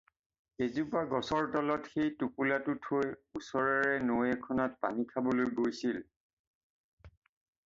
এজোপা গছৰ তলত সেই টোপোলাটো থৈ ওচৰৰে নৈ এখনত পানী খাবলৈ গৈছিল।